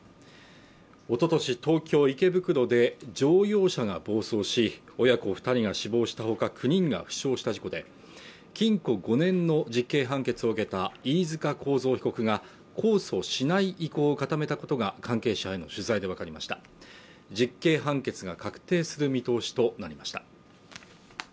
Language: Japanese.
おととし東京・池袋で乗用車が暴走し親子二人が死亡したほか９人が死傷した事故で禁錮５年の実刑判決を受けた飯塚幸三被告が控訴しない意向を固めたことが関係者への取材で分かりました実刑判決が確定する見通しとなりました